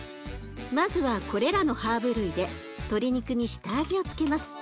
まずはこれらのハーブ類で鶏肉に下味を付けます。